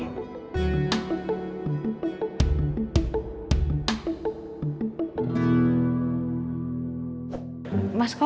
mas kamu beneran gak mau ngasih tau ke aku